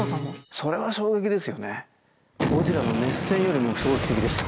それは衝撃ですよね。